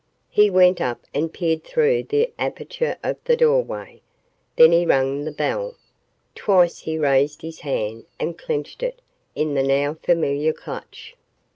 He went up and peered through the aperture of the doorway. Then he rang the bell. Twice he raised his hand and clenched it in the now familiar clutch.